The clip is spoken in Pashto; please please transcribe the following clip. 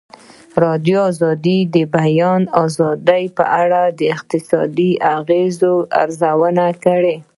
ازادي راډیو د د بیان آزادي په اړه د اقتصادي اغېزو ارزونه کړې.